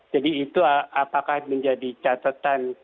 jadi itu apakah menjadi catatan